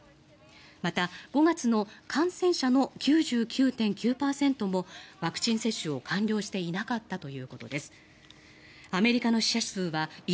また、５月の感染者の９９．９％もワクチン接種を完了していなかったということです。